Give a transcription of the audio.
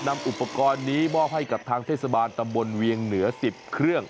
นำอุปกรณ์นี้มอบให้กับทางเทศบาลตำบลเวียงเหนือ๑๐เครื่อง